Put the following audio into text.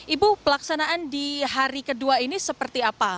ibu pelaksanaan di hari kedua ini seperti apa